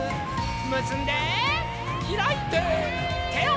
むすんでひらいててをうって。